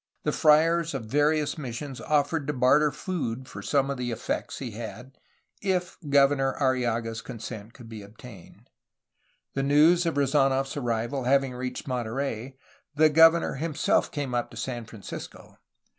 The friars of various missions offered to barter food for some of the effects he had, if Governor Arrillaga's consent could be obtained. The news of Rezd^nof's arrival having reached Monterey, the governor himself came up to San Francisco.